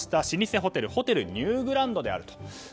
老舗ホテルホテルニューグランドであると。